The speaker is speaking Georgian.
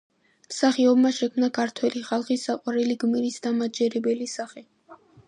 მსახიობმა შექმნა ქართველი ხალხის საყვარელი გმირის დამაჯერებელი სახე.